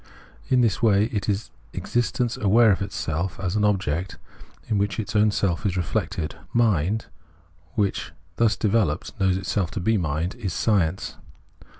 In tliis way it is in its exist ence aware of itself as an object in which, its own self is reflected. Mind, which, when thus developed, knows itself to be mind, is science.